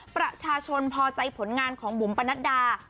ประชาชนพอใจผลงานของบุ๋มปนัดดา